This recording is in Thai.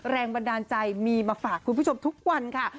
แรงบันดาลใจมีมาฝากคุณผู้ชมทุกวันค่ะ